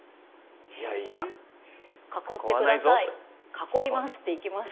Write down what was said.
「囲います」っていきますけどね。